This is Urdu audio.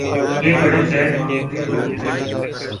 یہ بڑے غیرمعمولی لوگ تھے